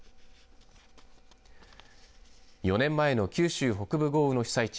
４年前の九州北部豪雨の被災地